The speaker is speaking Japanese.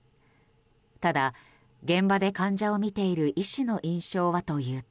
ただ、現場で患者を診ている医師の印象はというと。